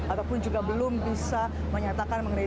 ataupun juga belum bisa menyatakan mengenai